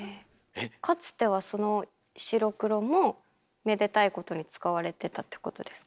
かつてはその白黒もめでたいことに使われてたってことですか？